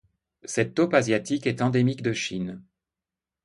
Cette taupe asiatique est endémique de Chine.